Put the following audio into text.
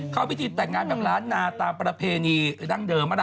เขาวิทยุตัดงานแบบล้านหนาตาบรรเภณีด้านเดิม